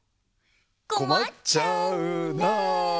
「こまっちゃうな」